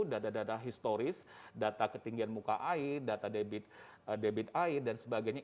data data historis data ketinggian muka air data debit air dan sebagainya